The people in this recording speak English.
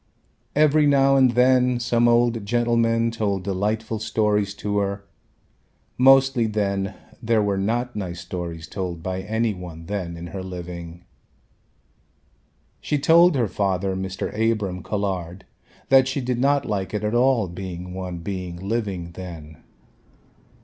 Every now and then some old gentlemen told delightful stories to her. Mostly then there were not nice stories told by any one then in her living. She told her father Mr. Abram Colhard that she did not like it at all being one being living then.